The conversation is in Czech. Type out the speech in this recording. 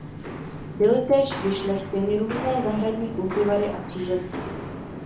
Byly též vyšlechtěny různé zahradní kultivary a kříženci.